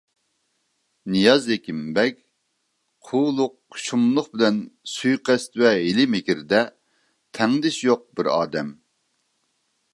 نىياز ھېكىمبەگ قۇۋلۇق، شۇملۇق بىلەن سۇيىقەست ۋە ھىيلە مىكىردە تەڭدىشى يوق بىر ئادەم.